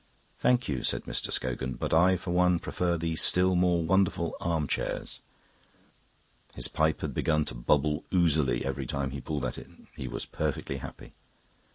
"Thank you," said Mr. Scogan, "but I for one prefer these still more wonderful arm chairs." His pipe had begun to bubble oozily every time he pulled at it. He was perfectly happy.